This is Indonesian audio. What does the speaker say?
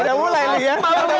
sudah mulai nih ya